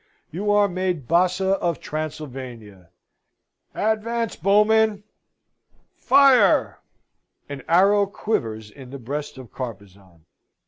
You are made Bassa of Transylvania! Advance bowmen Fire!" An arrow quivers in the breast of Carpezan.